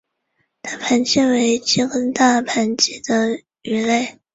大盘䲟为䲟科大盘䲟属的鱼类。